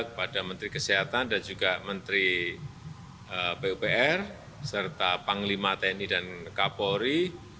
kepada menteri kesehatan dan juga menteri pupr serta panglima tni dan kapolri